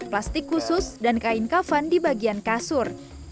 plastik khusus dan kain kafan di bagian kasur